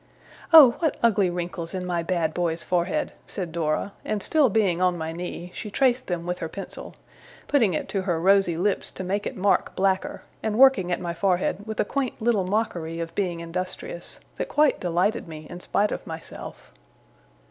'Oh, what ugly wrinkles in my bad boy's forehead!' said Dora, and still being on my knee, she traced them with her pencil; putting it to her rosy lips to make it mark blacker, and working at my forehead with a quaint little mockery of being industrious, that quite delighted me in spite of myself.